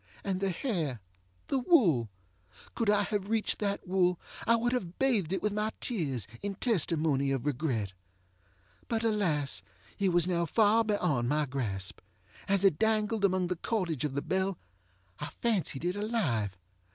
And the hairŌĆöthe wool! Could I have reached that wool I would have bathed it with my tears, in testimony of regret. But alas! it was now far beyond my grasp. As it dangled among the cordage of the bell, I fancied it alive.